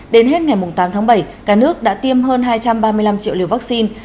đến hết ngày tám tháng bảy cả nước đã tiêm hơn hai trăm ba mươi năm triệu liều vaccine